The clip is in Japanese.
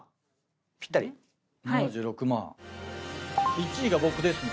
１位が僕ですね。